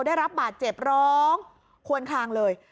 ได้รับบาดเจ็บร้องควนคลางเลย